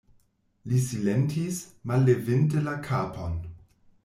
Li silentis, mallevinte la kapon.